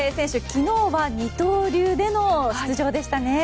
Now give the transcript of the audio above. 昨日は二刀流での出場でしたね。